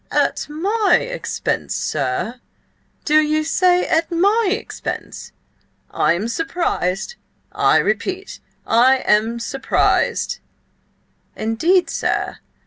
"At my expense, sir? Do ye say at my expense? I am surprised! I repeat–I am surprised!" "Indeed, sir?